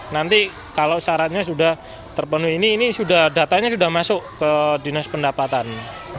nanti kalau syaratnya sudah terpenuhi ini sudah datanya sudah masuk ke dinas pendapatan